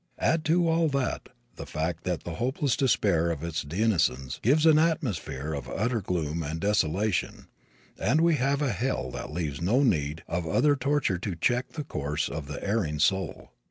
Add to all that the fact that the hopeless despair of its denizens gives an atmosphere of utter gloom and desolation, and we have a hell that leaves no need of other torture to check the course of the erring soul.